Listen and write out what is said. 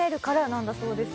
なんだそうです